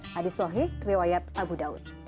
hadis sohih riwayat abu daud